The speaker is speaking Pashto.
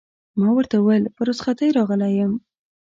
ما ورته وویل: په رخصتۍ راغلی یم.